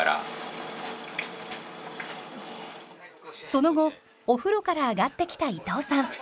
その後お風呂から上がってきた伊藤さん。